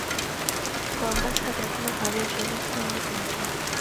গঙ্গার খাদ এখনও পাড়ের জমি হতে অনেক নীচু।